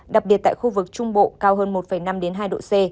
đặc biệt tại khu vực trung bộ cao hơn một năm hai độ c